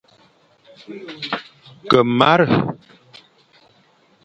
Ke mara,